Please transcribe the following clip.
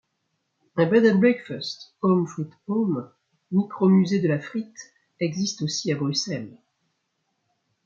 Un bed&breakfast, Home Frit'Home, micro musée de la frite, existe aussi à Bruxelles.